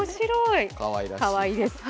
かわいいです。